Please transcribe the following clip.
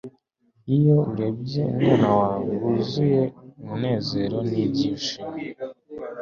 iyo urebye umwana wawe wuzuye umunezero n'ibyishimo